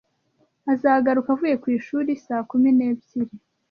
Azagaruka avuye ku ishuri saa kumi n'ebyiri.